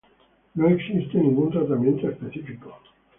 No existe ningún tratamiento específico.